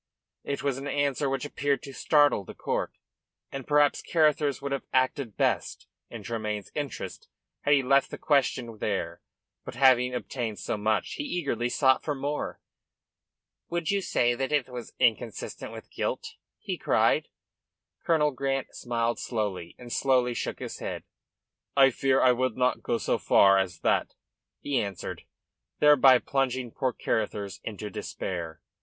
It was an answer which appeared to startle the court, and perhaps Carruthers would have acted best in Tremayne's interest had he left the question there. But having obtained so much he eagerly sought for more. "Would you say that it was inconsistent with guilt?" he cried. Colonel Grant smiled slowly, and slowly shook his head. "I fear I could not go so far, as that," he answered, thereby plunging poor Carruthers into despair.